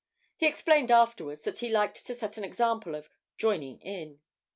He explained afterwards that he liked to set an example of 'joining in.'